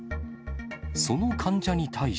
その患者に対し。